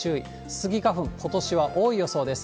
スギ花粉、ことしは多い予想です。